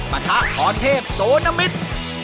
ประทะธรเพศสวทธินธุ์น้ำมิตร